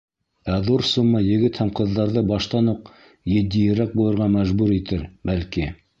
Ә ҙур сумма егет һәм ҡыҙҙарҙы баштан уҡ етдиерәк булырға мәжбүр итер, бәлки?